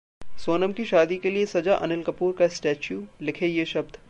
सोनम की शादी के लिए सजा अनिल कपूर का स्टेच्यू, लिखे ये शब्द